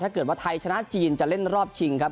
ถ้าเกิดว่าไทยชนะจีนจะเล่นรอบชิงครับ